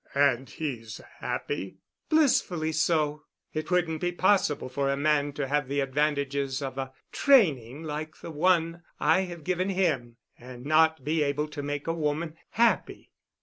"And he's happy?" "Blissfully so. It wouldn't be possible for a man to have the advantages of a training like the one I have given him and not be able to make a woman happy."